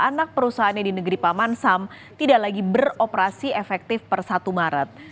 anak perusahaannya di negeri paman sam tidak lagi beroperasi efektif per satu maret